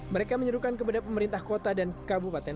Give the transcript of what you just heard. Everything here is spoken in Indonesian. mereka menyuruhkan kepada pemerintah kota dan kabupaten